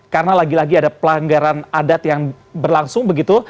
karena lagi lagi ada pelanggaran adat yang berlangsung begitu